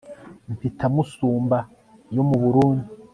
Mpita Musumba yo mu Burundi